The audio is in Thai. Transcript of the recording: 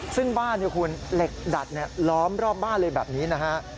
ซึ่งบ้านคุณเหล็กดัดล้อมรอบบ้านเลยแบบนี้นะฮะ